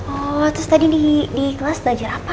oh terus tadi di kelas belajar apa